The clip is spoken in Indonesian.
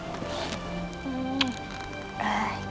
kita jalan jalan aja yuk mau gak